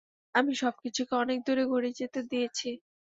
আমি সবকিছুকে অনেক দূরে গড়িয়ে যেতে দিয়েছি।